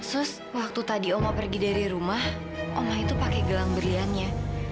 terus waktu tadi oma pergi dari rumah omah itu pakai gelang berliannya